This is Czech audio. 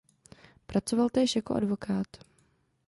Pracoval též jako advokát.